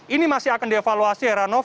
ini masih akan dievaluasi heranov